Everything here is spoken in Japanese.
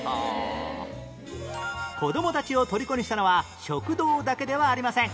子どもたちをとりこにしたのは食堂だけではありません